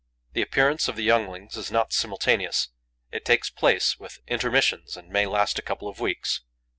The appearance of the younglings is not simultaneous; it takes place with intermissions and may last a couple of weeks.